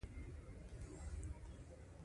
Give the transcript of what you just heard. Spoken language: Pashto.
د نجلۍ سرې شونډې انار خوړلې دينهه.